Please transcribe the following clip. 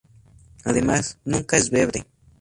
Además, nunca es verde.